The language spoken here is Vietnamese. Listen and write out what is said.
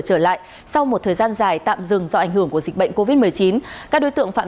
trở lại sau một thời gian dài tạm dừng do ảnh hưởng của dịch bệnh covid một mươi chín các đối tượng phạm